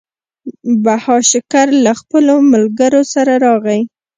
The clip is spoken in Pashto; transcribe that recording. بهاشکر له خپلو ملګرو سره راغی.